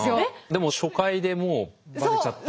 でも初回でもうバレちゃったって。